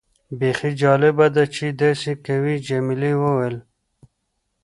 بیخي جالبه ده چې داسې کوي. جميلې وويل:.